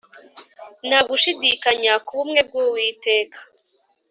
Nta gushidikanya kubumwe bwuwiteka